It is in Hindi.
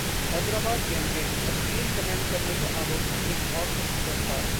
हैदराबाद गैंगरेप: अश्लील कमेंट करने के आरोप में एक और शख्स गिरफ्तार